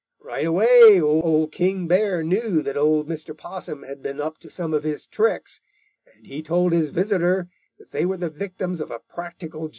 Right away Old King Bear knew that old Mr. Possum had been up to some of his tricks, and he told his visitors that they were the victims of a practical joke.